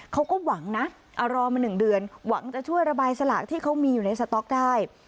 เขาก็หวังนะรอมา๑เดือนหวังจะช่วยระบายสลากที่เขามีอยู่ในสต๊อกได้